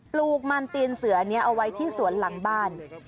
ลูกมันตีนเสือนี้เอาไว้ที่สวนหลังบ้าน